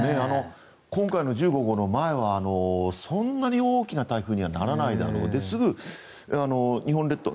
今回の１５号の前はそんなに大きな台風にはならないだろうすぐ日本列島